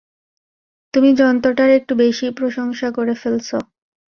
তুমি জন্তুটার একটু বেশিই প্রশংসা করে ফেলছো।